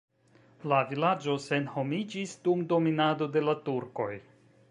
La vilaĝo senhomiĝis dum dominado de la turkoj.